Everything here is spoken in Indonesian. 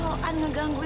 sampai jumpa lagi